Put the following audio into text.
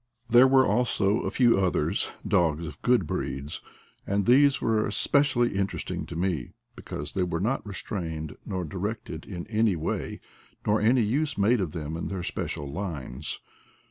There were also a few others, dogs of good breeds, and these were specially interesting to me, because they were not restrained nor directed in any way, nor any use made of them in their special lines.